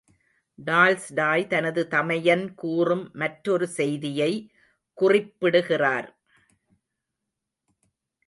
Tolstoy தனது தமையன் கூறும் மற்றொரு செய்தியை குறிப்பிடுகிறார்.